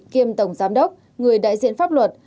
kiêm tổng giám đốc người đại diện pháp luật